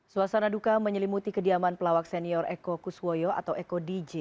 suasana duka menyelimuti kediaman pelawak senior eko kuswoyo atau eko dj